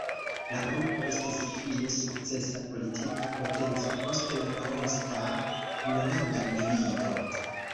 La grupo estis fine sukcesa politika potenco post la Laosa Enlanda Milito.